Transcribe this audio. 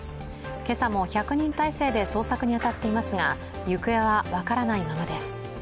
今朝も１００人態勢で捜索に当たっていますが行方は分からないままです。